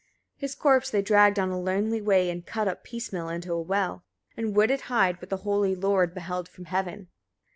23. His corpse they dragged (on a lonely way, and cut up piecemeal) into a well, and would it hide; but the holy Lord beheld from heaven.